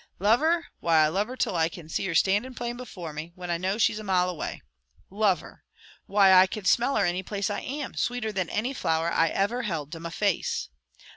Love her! Why, I love her till I can see her standin' plain before me, when I know she's a mile away. Love her! Why, I can smell her any place I am, sweeter than any flower I ever held to my face.